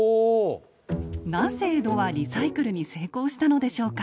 なぜ江戸はリサイクルに成功したのでしょうか？